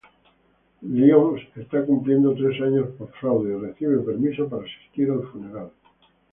Lyons está cumpliendo tres años por fraude y recibe permiso para asistir al funeral.